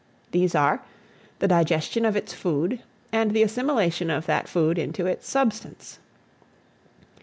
These are, the digestion of its food, and the assimilation of that food into its substance.